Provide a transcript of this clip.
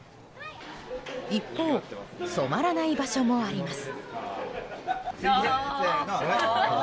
一方染まらない場所もあります。